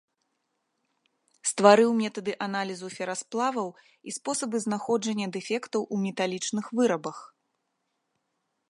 Стварыў метады аналізу ферасплаваў і спосабы знаходжання дэфектаў у металічных вырабах.